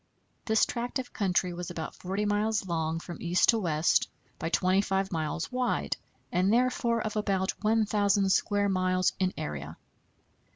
This tract of country was about 40 miles long from east to west by 25 miles wide, and therefore of about 1,000 square miles in area.